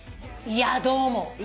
いやどうも。